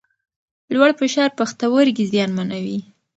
لوړ فشار پښتورګي زیانمنوي.